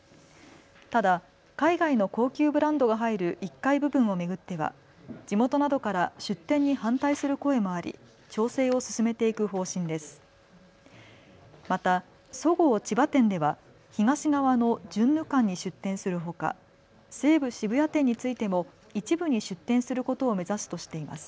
ただ海外の高級ブランドが入る１階部分を巡っては地元などから出店に反対する声もあり調整を進めていく方針です。